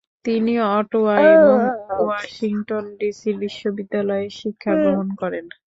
তিনি অটোয়া এবং ওয়াশিংটন ডিসির বিশ্ববিদ্যালয়েও শিক্ষাগ্রহণ করেন।